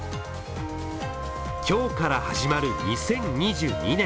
今日から始まる２０２２年。